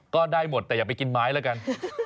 ก็ได้หมดแต่อย่าไปกินไม้แล้วกัน